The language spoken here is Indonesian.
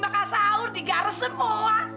makan saur di garis semua